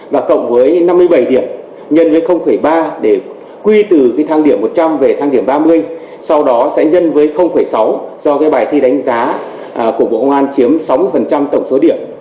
và cộng với năm mươi bảy điểm nhân với ba điểm quy từ thang điểm một trăm linh về thang điểm ba mươi sau đó sẽ nhân với sáu do cái bài thi đánh giá của bộ công an chiếm sáu mươi tổng số điểm